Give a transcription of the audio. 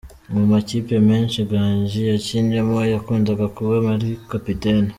Mu makipe menshi Gangi yakinnyemo, yakundaga kuba ari kapiteni.